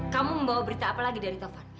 kamu membawa berita apa lagi dari tovan